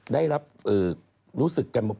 ได้รับรู้สึกกันพอสมควร